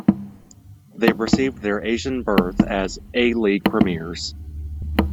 They received their Asian berth as A-League premiers.